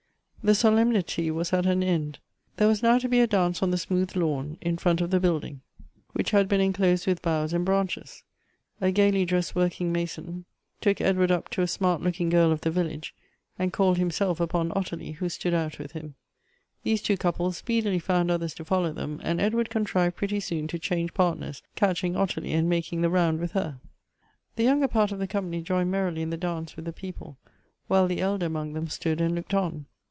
The solemnity was at an end. There was now to be a dance on the smooth lawn in front of the building, which had been en closed with boughs and branches. Agayly dressed work ing mason took Edward up to a smart looking girl of tho village, and called himself upon Ottilie, who stood out with him. These two couples speedily found others to follow them, and Edward contrived pretty soon to change partners, catching Ottilie, and making the round with her. The younger part of the company joined merrily in the dance with the people, while the elder among them stood and looked on.